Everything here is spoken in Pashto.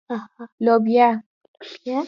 🫘 لبیا